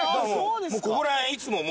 ここら辺いつも何か。